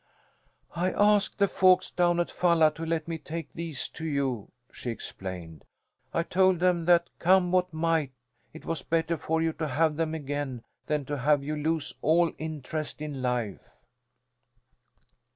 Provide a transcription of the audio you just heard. "I asked the folks down at Falla to let me take these to you," she explained. "I told them that come what might it was better for you to have them again than to have you lose all interest in life."